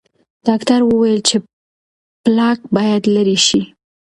ډاکټر وویل چې پلاک باید لرې شي.